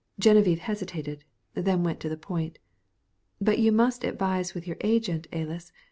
Geneviève hesitated, then went to the point. "But you must advise with your agent, Alys.